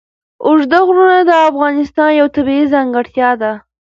اوږده غرونه د افغانستان یوه طبیعي ځانګړتیا ده.